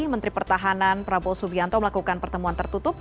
menteri pertahanan prabowo subianto melakukan pertemuan tertutup